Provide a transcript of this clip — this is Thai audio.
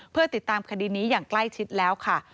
เพื่อติดตามคดีนี้อย่างใกล้ชิดแล้วค่ะ